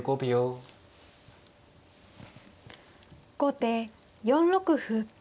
後手４六歩。